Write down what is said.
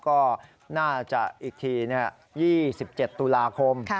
ก็น่าจะอีกที๒๗ตุลาคม